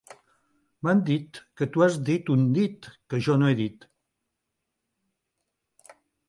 M’han dit que tu has dit un dit que jo no he dit.